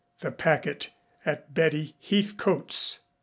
The packet at Betty Heathcote's!